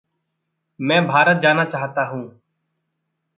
मैं भारत जाना चाहता हूँ।